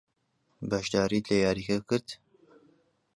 بەشداریت لە یارییەکە کرد؟